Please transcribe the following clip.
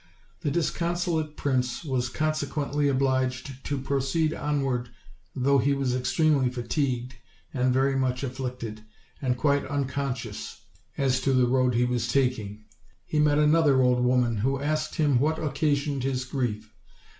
The disconsolate prince was consequently obliged to proceed onward, though he was extremely fatigued and very much afflicted, and quite unconscious as to the road he was taking. Before he had gone a hundred yards he met another old woman, who asked him what occasioned his grief.